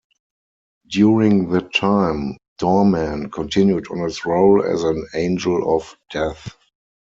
During that time, Doorman continued on his role as an angel of death.